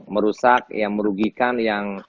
susah yang merugikan yang